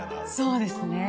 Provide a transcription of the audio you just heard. そうですね